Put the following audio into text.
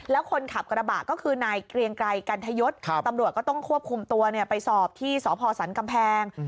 แล้วคนขับกระบะก็คือนายเกรียงไกรกันทยศตำรวจก็ต้องควบคุมตัวไปสอบที่สพสันกำแพง